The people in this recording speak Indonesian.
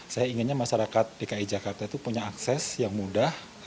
saya inginnya masyarakat dki jakarta itu punya akses yang mudah